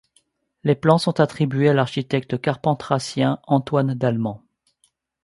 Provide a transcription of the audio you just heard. Les plans sont attribués à l'architecte carpentrassien Antoine d'Allemand.